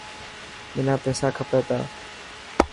منا پيسا کپي تا.